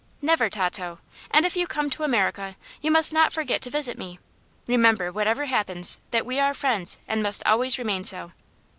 "Never, Tato. And if you come to America you must not forget to visit me. Remember, whatever happens, that we are friends, and must always remain so."